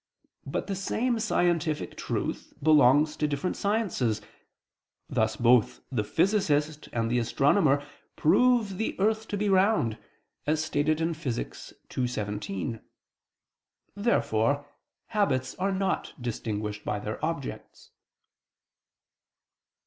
But the same scientific truth belongs to different sciences: thus both the physicist and the astronomer prove the earth to be round, as stated in Phys. ii, text. 17. Therefore habits are not distinguished by their objects.